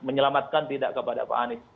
menyelamatkan tidak kepada pak anies